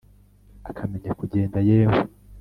akamenya kugenda yewe